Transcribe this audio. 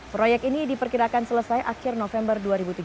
proyek ini diperkirakan selesai akhir november dua ribu tujuh belas